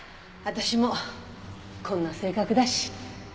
私もこんな性格だし。